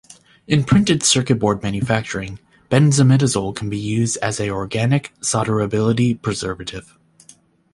In printed circuit board manufacturing, benzimidazole can be used as a organic solderability preservative.